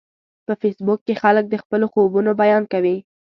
په فېسبوک کې خلک د خپلو خوبونو بیان کوي